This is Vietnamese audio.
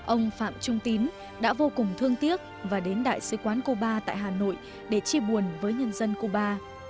ông phạm trung tín đã vô cùng thương tiếc và đến đại sứ quán cuba tại hà nội để chia buồn với nhân dân cuba